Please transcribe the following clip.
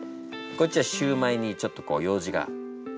こっちはシューマイにちょっとこうようじが刺さって。